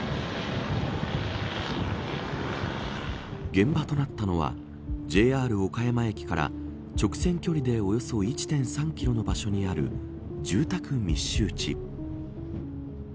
現場となったのはＪＲ岡山駅から直線距離でおよそ１．３キロの場所にある住宅密集地。